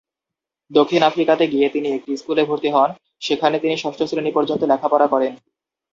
দক্ষিণ আফ্রিকাতে গিয়ে তিনি একটি স্কুলে ভর্তি হন, সেখানে তিনি ষষ্ঠ শ্রেণি পর্যন্ত লেখাপড়া করেন।